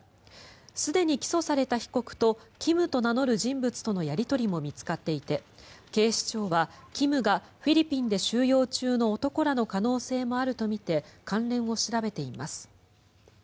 すでに起訴された被告とキムと名乗る人物とのやり取りも見つかっていて警視庁は、キムがフィリピンで収容中の男らの可能性もあるとみて関連を調べています。